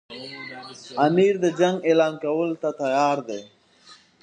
امیر د جنګ اعلان کولو ته تیار دی.